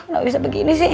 aduh gak bisa begini sih